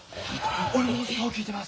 俺もそう聞いてます。